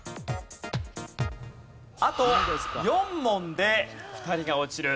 あと４問で２人が落ちる。